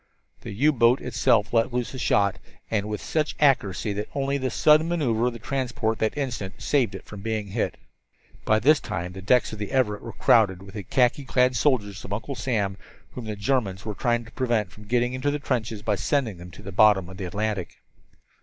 The U boat itself let loose a shot, and with such accuracy that only the sudden maneuver of the transport at that instant saved it from being hit. By this time the decks of the Everett were crowded with the khaki clad soldiers of Uncle Sam whom the Germans were trying to prevent from getting into the trenches by sending them to the bottom of the Atlantic.